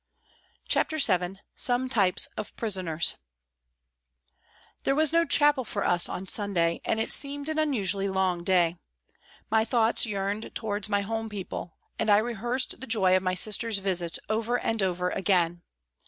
CHAPTER VII SOME TYPES OF PRISONERS THERE was no chapel for us on Sunday and it seemed an unusually long day. My thoughts yearned towards my home people, and I rehearsed the joy of my sister's visit over and over again.